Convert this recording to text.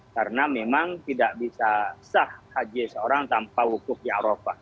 karena memang tidak bisa sah haji seorang tanpa hukuf di arafah